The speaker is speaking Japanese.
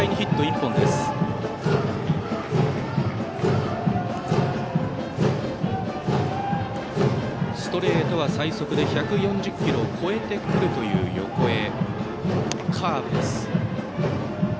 ストレートは最速で１４０キロを超えてくるという横江。